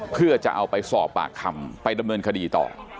เพื่อจะเอาไปสอบปากคำไปดำเนินคดีต่อ